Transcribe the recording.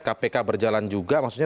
kpk berjalan juga maksudnya